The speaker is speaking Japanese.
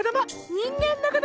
にんげんのこども！